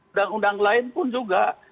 undang undang lain pun juga